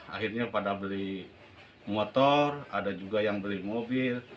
akhirnya pada beli motor ada juga yang beli mobil